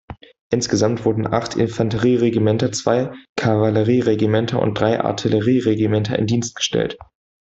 Insgesamt wurden acht Infanterieregimenter, zwei Kavallerieregimenter und drei Artillerieregimenter in Dienst gestellt.